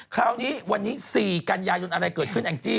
คราวนี้วันนี้๔กันยายนอะไรเกิดขึ้นแองจี้